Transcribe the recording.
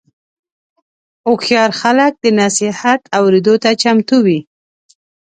هوښیار خلک د نصیحت اورېدو ته چمتو وي.